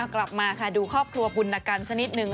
กลับมาดูครอบครัวปุณณกันสักนิดหนึ่ง